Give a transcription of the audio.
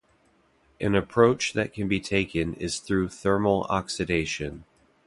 An approach that can be taken is through thermal oxidation.